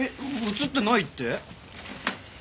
映ってないって？